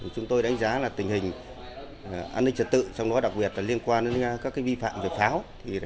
chúng tôi đánh giá là tình hình an ninh trật tự trong đó đặc biệt liên quan đến các vi phạm về pháo